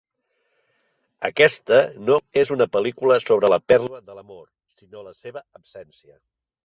Aquesta no és una pel·lícula sobre la pèrdua de l'amor, sinó de la seva absència.